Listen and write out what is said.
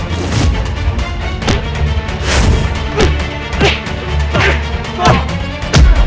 untuk memberikan kesaksian